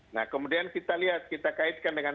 nah kemudian kita lihat kita kaitkan dengan